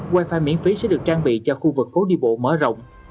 wi fi miễn phí sẽ được trang bị cho khu vực phố đi bộ mở rộng